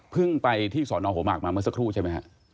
ไปที่สอนอหัวหมากมาเมื่อสักครู่ใช่ไหมฮะ